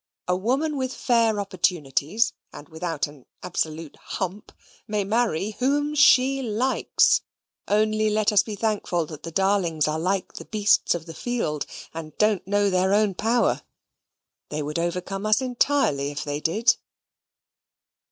A woman with fair opportunities, and without an absolute hump, may marry WHOM SHE LIKES. Only let us be thankful that the darlings are like the beasts of the field, and don't know their own power. They would overcome us entirely if they did.